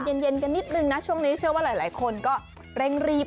เย็นกันนิดนึงนะช่วงนี้เชื่อว่าหลายคนก็เร่งรีบ